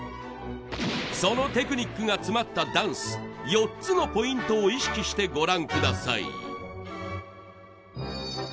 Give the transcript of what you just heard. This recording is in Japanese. そのテクニックが詰まったダンス４つのポイントを意識してご覧ください。